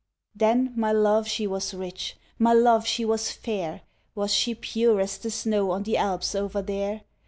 Then, my love she was rich. My love she was fair. Was she pure as the snow on the Alps over there?